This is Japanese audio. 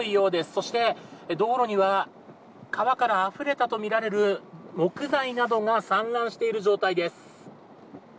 そして道路には川からあふれたとみられる木材などが散乱している状態です。